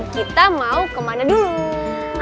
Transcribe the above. kita mau kemana dulu